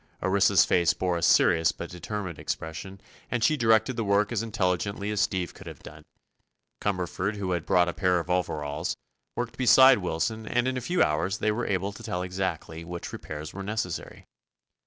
Orissa's face bore a serious but determined expression and she directed the work as intelligently as Steve could have done. Cumberford, who had brought a pair of overalls, worked beside Wilson and in a few hours they were able to tell exactly what repairs were necessary.